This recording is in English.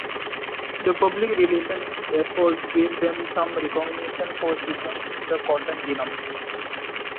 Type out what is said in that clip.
This public relations effort gave them some recognition for sequencing the cotton genome.